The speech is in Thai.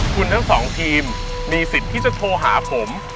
คุณทั้งสองทีมมีสิทธิ์ที่จะโทรหาผม